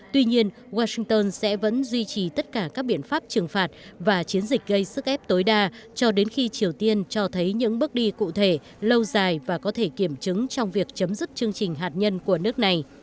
tuy nhiên washington sẽ vẫn duy trì tất cả các biện pháp trừng phạt và chiến dịch gây sức ép tối đa cho đến khi triều tiên cho thấy những bước đi cụ thể lâu dài và có thể kiểm chứng trong việc chấm dứt chương trình hạt nhân của nước này